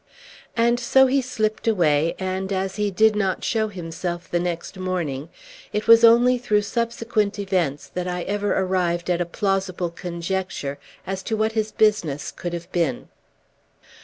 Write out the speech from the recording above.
And so he slipt away; and, as he did not show himself the next morning, it was only through subsequent events that I ever arrived at a plausible conjecture as to what his business could have been.